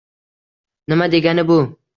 Nima degani bu?